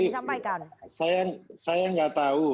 disampaikan saya tidak tahu